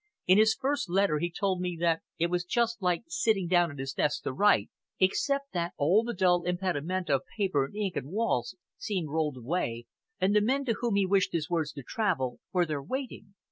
"In his first letter he told me that it was just like sitting down at his desk to write, except that all the dull material impedimenta of paper and ink and walls seemed rolled away, and the men to whom he wished his words to travel were there waiting.